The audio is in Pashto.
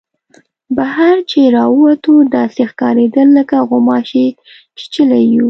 بهر چې را ووتو داسې ښکارېدل لکه غوماشې چیچلي یو.